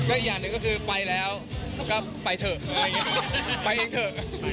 อีกอย่างหนึ่งก็คือไปแล้วก็ไปเถอะไปเองเถอะ